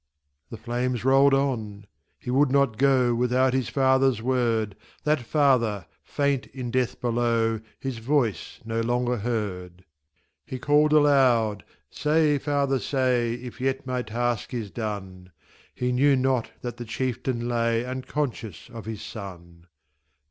The flames rolled on he would not go Without his father's word; That father, faint in death below, His voice no longer heard. He called aloud, "Say, father, say If yet my task is done?" He knew not that the chieftain lay Unconscious of his son.